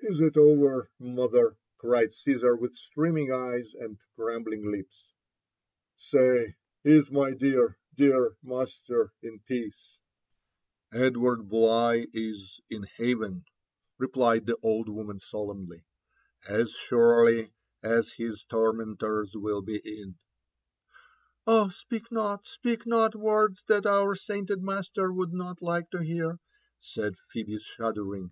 ^'Is it over, mother?" cried Gsesar with streaming eyes and trembling lips.— <' Say — is my dear, dear master in peace? " M6 LIFE ANP ADVBNTUBE8 OF '< Edward Bligh is Id heaveD," replied the old woman solemoly— '* at surely as his tormeotors will be in——" " Oh ! speak not, speak not words that our sainted master would not like to bear," said Phebe, shuddering.